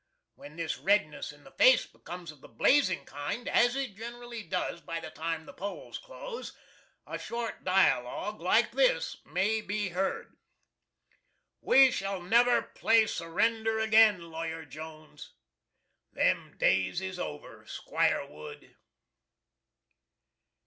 When this redness in the face becomes of the blazing kind, as it generally does by the time the polls close, a short dialogue like this may be heard. "We shall never play surrender again, Lawyer Jones." "Them days is over, 'Squire Wood!"